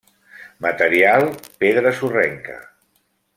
Material: pedra sorrenca.